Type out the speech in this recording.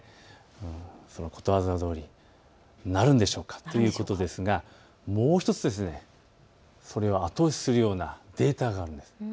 そのことわざどおりになるんでしょうかということですがそれを後押しするようなデータがあります。